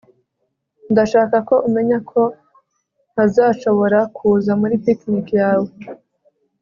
ndashaka ko umenya ko ntazashobora kuza muri picnic yawe